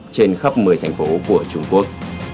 trên khắp một mươi thành phố của trung quốc